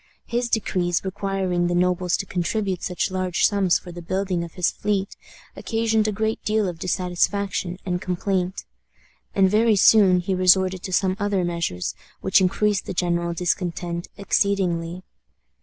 His decrees requiring the nobles to contribute such large sums for the building of his fleet occasioned a great deal of dissatisfaction and complaint. And very soon he resorted to some other measures, which increased the general discontent exceedingly.